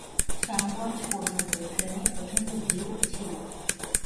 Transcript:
শ্যামগঞ্জ পর্যন্ত ট্রেনে প্রচণ্ড ভিড় ছিল।